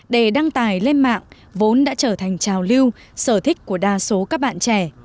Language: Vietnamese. để đăng tải lên mạng vốn đã trở thành trào lưu sở thích của đa số các bạn trẻ